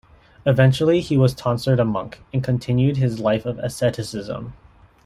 Eventually, he was tonsured a monk, and continued his life of asceticism.